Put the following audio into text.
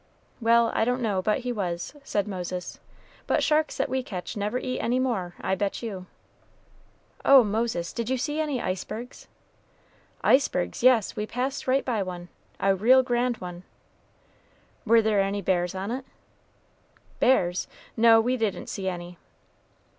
"Well, I don't know but he was," said Moses; "but sharks that we catch never eat any more, I'll bet you." "Oh, Moses, did you see any icebergs?" "Icebergs! yes; we passed right by one, a real grand one." "Were there any bears on it?" "Bears! No; we didn't see any."